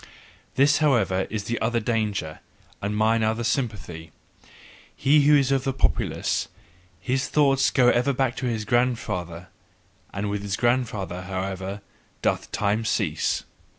This however is the other danger, and mine other sympathy: he who is of the populace, his thoughts go back to his grandfather, with his grandfather, however, doth time cease.